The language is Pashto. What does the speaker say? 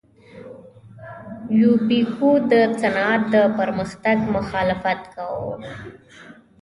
یوبیکو د صنعت د پرمختګ مخالفت کاوه.